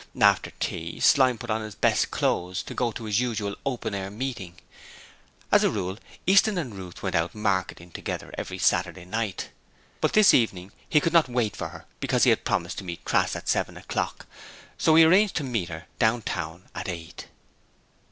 After tea, Slyme put on his best clothes to go to his usual 'open air' meeting. As a rule Easton and Ruth went out marketing together every Saturday night, but this evening he could not wait for her because he had promised to meet Crass at seven o'clock; so he arranged to see her down town at eight.